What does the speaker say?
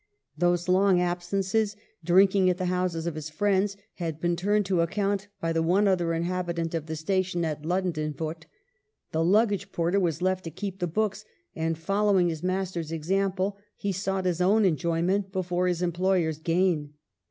Those long absences, drinking at the houses of his friends, had been turned to account by the one other inhabitant of the station at Ludden denfoot. The luggage porter was left to keep the books, and, following his master's example, he sought his own enjoyment before his em ployers' gain.